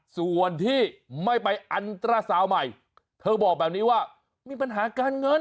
ส่วนที่ไม่ไปอันตราสาวใหม่เธอบอกแบบนี้ว่ามีปัญหาการเงิน